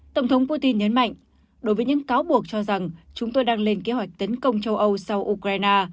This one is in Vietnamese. tổng thống putin nhấn mạnh đối với những cáo buộc cho rằng chúng tôi đang lên kế hoạch tấn công châu âu sau ukraine